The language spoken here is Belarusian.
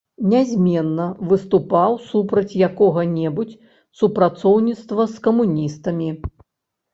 Нязменна выступаў супраць якога-небудзь супрацоўніцтва з камуністамі.